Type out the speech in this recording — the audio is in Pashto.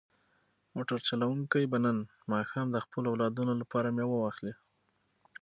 موټر چلونکی به نن ماښام د خپلو اولادونو لپاره مېوه واخلي.